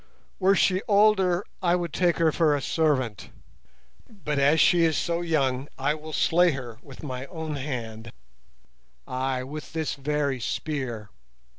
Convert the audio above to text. Were she older I would take her for a servant; but as she is so young I will slay her with my own hand—ay, with this very spear.